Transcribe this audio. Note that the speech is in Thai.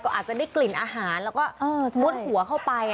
ก็อาจจะได้กลิ่นอาหารแล้วก็เออใช่มุดหัวเข้าไปนะคะ